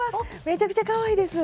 めちゃくちゃかわいいです！